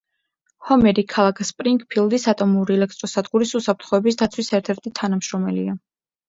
ჰომერი ქალაქ სპრინგფილდის ატომური ელექტროსადგურის უსაფრთხოების დაცვის ერთ-ერთი თანამშრომელია.